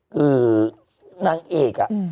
คือนางเอกอะ